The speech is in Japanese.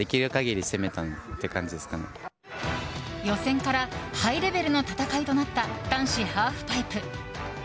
予選からハイレベルの戦いとなった男子ハーフパイプ。